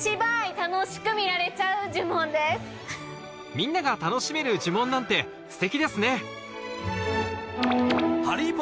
みんなが楽しめる呪文なんてステキですね！